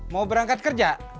mau berangkat kerja